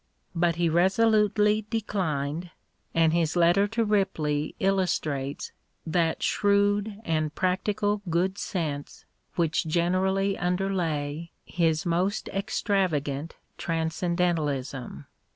But he resolutely declined, and his letter to Ripley illustrates that shrewd and practical good sense which generally underlay his most extravagant transcendentalism.